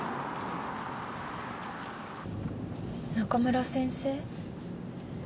中村先生